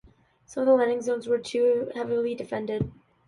Some of the landing zones were too heavily defended.